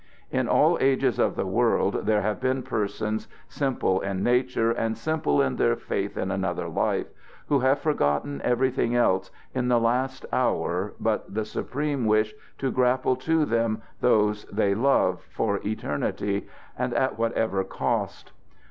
In all ages of the world there have been persons, simple in nature and simple in their faith in another life, who have forgotten everything else in the last hour but the supreme wish to grapple to them those they love, for eternity, and at whatever cost.